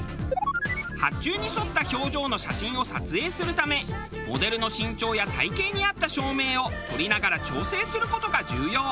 発注に沿った表情の写真を撮影するためモデルの身長や体形に合った照明を撮りながら調整する事が重要。